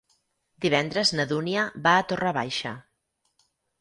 Divendres na Dúnia va a Torre Baixa.